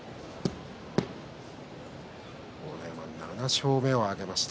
豪ノ山７勝目を挙げました。